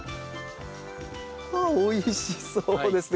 ああおいしそうですね。